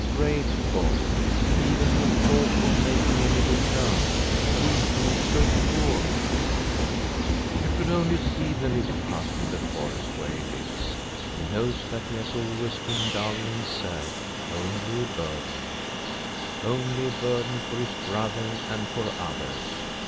Great God I even to talk of making any return — he who is so poor I [ 346 j ne BROTHERS You should only see the little hut in the forest where he lives. He knows that he has always been dull and sad, only a burden — only a burden for his brother and for others.